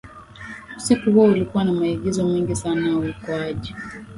usiku huo ulikuwa na maigizo mengi sana ya uokoaji